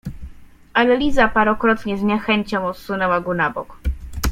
Ale Liza parokrotnie z niechęcią odsunęła go na bok.